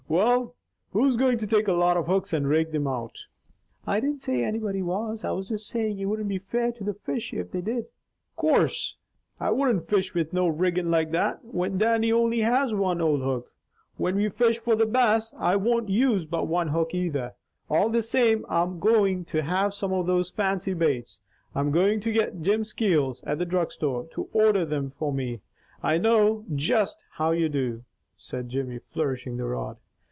"Well, who's going to take a lot of hooks and rake thim out?" "I didn't say anybody was. I was just saying it wouldn't be fair to the fish if they did." "Course I wouldn't fish with no riggin' like that, when Dannie only has one old hook. Whin we fish for the Bass, I won't use but one hook either. All the same, I'm going to have some of those fancy baits. I'm going to get Jim Skeels at the drug store to order thim for me. I know just how you do," said Jimmy flourishing the rod.